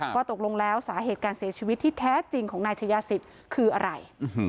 ว่าตกลงแล้วสาเหตุการเสียชีวิตที่แท้จริงของนายชายาศิษย์คืออะไร